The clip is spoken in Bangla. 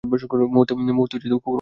মুহূর্তে কুমুর মন গলে গেল।